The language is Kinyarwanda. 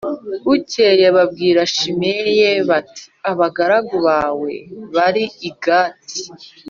Bukeye babwira Shimeyi bati “Abagaragu bawe bari i Gati.”